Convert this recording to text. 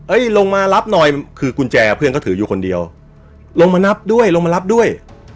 ลงมารับหน่อยคือกุญแจเพื่อนก็ถืออยู่คนเดียวลงมานับด้วยลงมารับด้วย